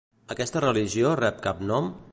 Aquesta religió rep cap nom?